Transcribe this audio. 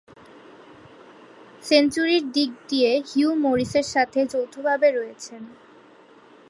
সেঞ্চুরির দিক দিয়ে হিউ মরিসের সাথে যৌথভাবে রয়েছেন।